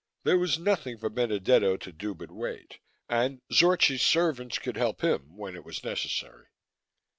There was nothing for Benedetto to do but wait, and Zorchi's servants could help him when it was necessary.